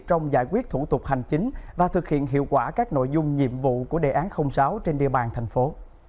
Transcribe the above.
trong giải quyết thủ tục hành chính và thực hiện hiệu quả các nội dung nhiệm vụ của đề án sáu trên địa bàn thành phố